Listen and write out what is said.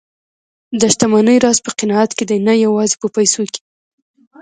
د شتمنۍ راز په قناعت کې دی، نه یوازې په پیسو کې.